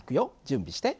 準備して。